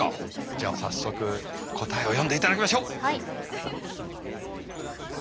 じゃあ早速答えを読んでいただきましょう。